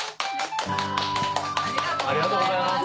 ありがとうございます。